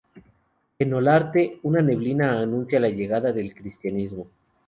En Olarte, una neblina anuncia la llegada del cristianismo.